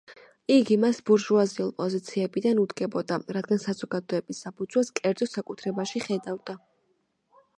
იგი მას ბურჟუაზიულ პოზიციებიდან უდგებოდა, რადგან საზოგადების საფუძველს კერძო საკუთრებაში ხედავდა.